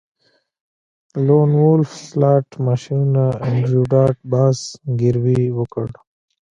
لون وولف سلاټ ماشینونه انډریو ډاټ باس زګیروی وکړ